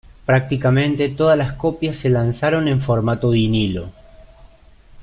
Prácticamente todas las copias se lanzaron en formato vinilo.